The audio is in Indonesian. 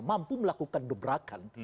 mampu melakukan gebrakan